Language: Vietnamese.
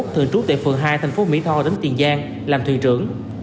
thường trú tại phường hai thành phố mỹ tho tỉnh tiền giang làm thuyền trưởng